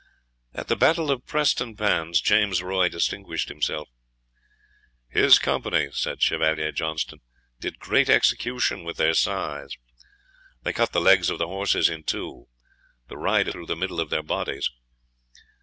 At the battle of Prestonpans, James Roy distinguished himself. "His company," says Chevalier Johnstone, "did great execution with their scythes." They cut the legs of the horses in two the riders through the middle of their bodies.